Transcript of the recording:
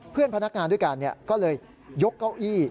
เพื่อนพนักงานด้วยกันก็เลยยกเก้าอี้